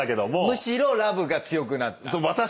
むしろラブが強くなった？